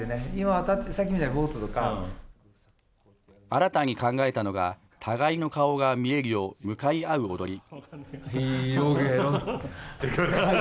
新たに考えたのが、互いの顔が見えるよう向かい合う踊り。